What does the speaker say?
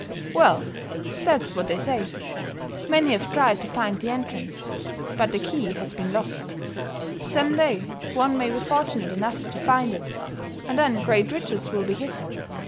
"Well, that's what they say; many have tried to find the entrance, but the key has been lost; some day, one may be fortunate enough to find it, and then great riches will be his.